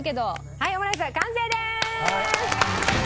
はいオムライス完成です！